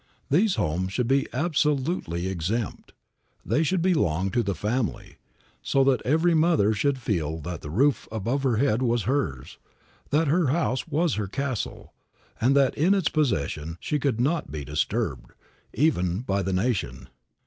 These homes should be absolutely exempt; they should belong to the family, so that every mother should feel that the roof above her head was hers; that her house was her castle, and that in its possession she could not be disturbed, even by the nation.